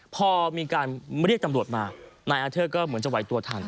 พอมีการเรียกตำรวจมานายอาเทอร์ก็เหมือนจะไหวตัวทัน